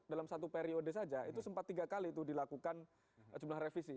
dalam satu periode saja itu sempat tiga kali itu dilakukan jumlah revisi